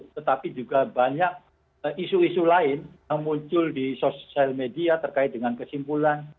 tetapi juga banyak isu isu lain yang muncul di sosial media terkait dengan kesimpulan